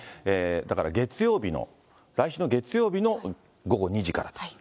だから月曜日の、来週の月曜日の午後２時からと。